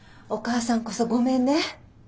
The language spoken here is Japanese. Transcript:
お母さんこそごめんね。